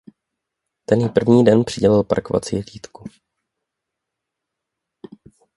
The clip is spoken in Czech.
Ten jí první den přidělil parkovací hlídku.